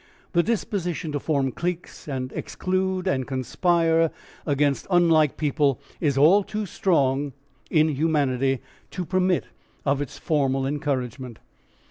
The disposition to form cliques and exclude and conspire against unlike people is all too strong in humanity, to permit of its formal encouragement.